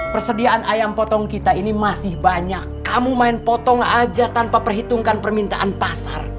persediaan ayam potong kita ini masih banyak kamu main potong aja tanpa perhitungkan permintaan pasar